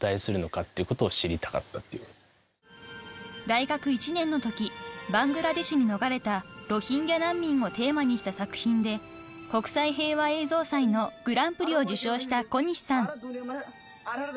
［大学１年のときバングラデシュに逃れたロヒンギャ難民をテーマにした作品で国際平和映像祭のグランプリを受賞した小西さん］